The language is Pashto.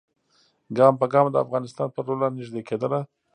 ګام په ګام د افغانستان پر لور را نیژدې کېدله.